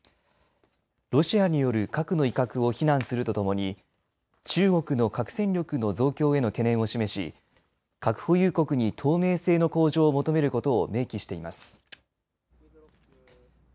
ロシアによる核の威嚇を非難するとともに中国の核戦力の増強への懸念を示し核保有国に透明性の向上を求めることを明記しています。